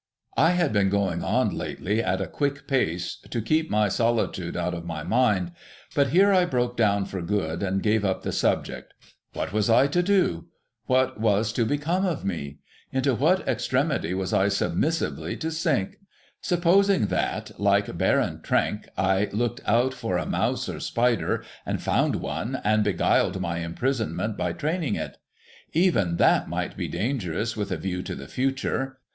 1 had been going on lately at a quick pace to keep my solitude out of my mind ; but here I broke down for good, and gave up the subject. ^Vhat was I to do ? What was to become of me ? Into what extremity was I submissively to sink? Sujiposing that, A DESPERATE IDEA 103 like Baron Trenck, I looked out for a mouse or spider, and found one, and beguiled my imprisonment by training it? Even that might be dangerous with a view to the future.